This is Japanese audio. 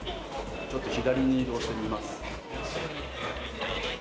ちょっと左に移動してみます。